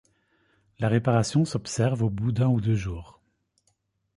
La réparation s'observe au bout d'un ou deux jours.